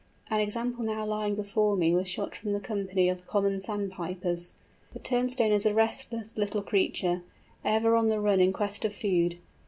An example now lying before me was shot from the company of Common Sandpipers. The Turnstone is a restless little creature, ever on the run in quest of food.